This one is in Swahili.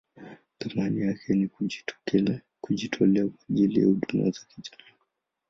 Thamani yake ni kujitolea kwa ajili ya huduma za kijamii.